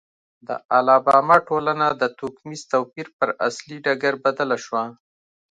د الاباما ټولنه د توکمیز توپیر پر اصلي ډګر بدله شوه.